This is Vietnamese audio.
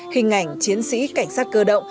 hình ảnh chiến sĩ cảnh sát cơ động